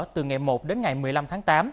từ ngày một đến ngày một mươi năm tháng tám